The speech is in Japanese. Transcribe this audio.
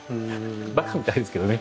ばかみたいですけどね。